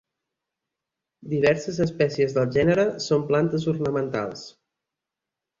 Diverses espècies del gènere són plantes ornamentals.